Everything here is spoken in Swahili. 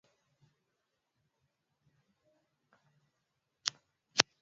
ya Biblia au katika ushirika wa mji mkubwa wa Antiokia Asia Magharibi